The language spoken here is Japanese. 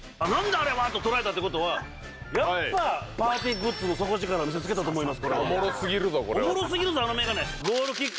あれは！って捉えたってことは、やっぱりパーティーグッズの底力を見せつけたと思います。